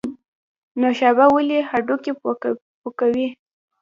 نوشابه ولې هډوکي پوکوي؟